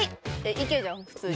イケじゃん普通に。